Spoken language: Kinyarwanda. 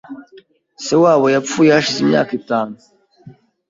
Se wabo yapfuye hashize imyaka itanu .